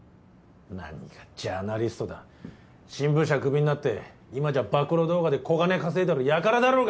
何がジャーナリストだ新聞社クビになって今じゃ暴露動画で小金稼いでる輩だろうが！